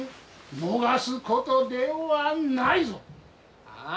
逃すことではないぞ。